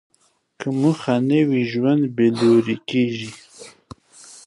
که موخه نه وي، ژوند بېلوري کېږي.